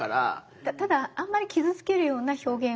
ただあんまり傷つけるような表現はしないように。